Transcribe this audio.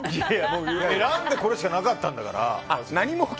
選んでこれしかなかったんだから。